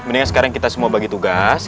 mendingan sekarang kita semua bagi tugas